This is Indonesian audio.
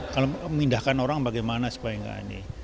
kalau memindahkan orang bagaimana supaya nggak ini